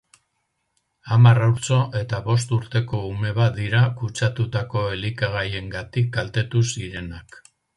Hamar haurtxo eta bost urteko ume bat dira kutsatutako elikagaiengatik kaltetu zirenak.